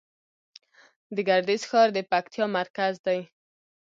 د ګردیز ښار د پکتیا مرکز دی